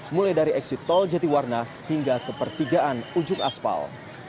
mulai dari eksit tol jatiwarna hingga ke pertigaan ujung aspal